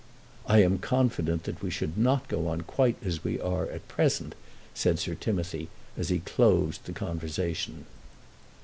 "I am confident that we should not go on quite as we are at present," said Sir Timothy as he closed the conversation.